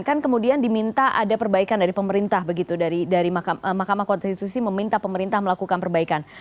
kan kemudian diminta ada perbaikan dari pemerintah begitu dari mahkamah konstitusi meminta pemerintah melakukan perbaikan